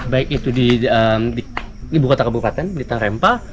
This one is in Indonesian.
baik itu di ibu kota kabupaten di tangrempa